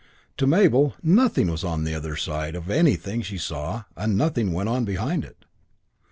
To Mabel nothing was on the other side of anything she saw and nothing went on behind it.